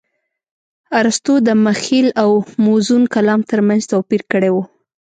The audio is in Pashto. ارستو د مخيل او موزون کلام ترمنځ توپير کړى و.